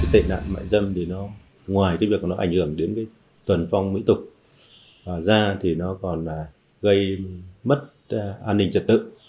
tệ nạn mại dâm thì nó ngoài cái việc nó ảnh hưởng đến tuần phong mỹ tục ra thì nó còn là gây mất an ninh trật tự